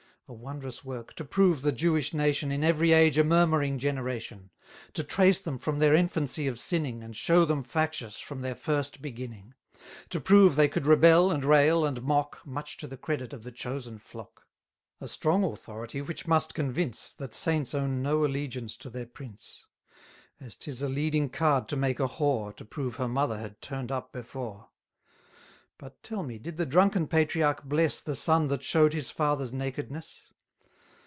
A wondrous work, to prove the Jewish nation In every age a murmuring generation; To trace them from their infancy of sinning, And show them factious from their first beginning. To prove they could rebel, and rail, and mock, Much to the credit of the chosen flock; A strong authority which must convince, 380 That saints own no allegiance to their prince; As 'tis a leading card to make a whore, To prove her mother had turn'd up before. But, tell me, did the drunken patriarch bless The son that show'd his father's nakedness?